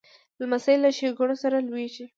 لمسی له ښېګڼو سره لویېږي.